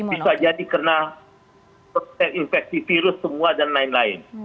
bisa jadi karena terinfeksi virus semua dan lain lain